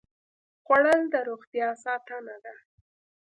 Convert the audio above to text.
خوړل د روغتیا ساتنه ده